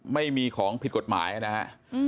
ไม่มีของผิดกฎหมายนะฮะ